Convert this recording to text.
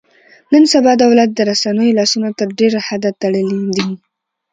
نن سبا دولت د رسنیو لاسونه تر ډېره حده تړلي دي.